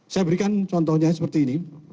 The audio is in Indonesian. saya berikan contohnya seperti ini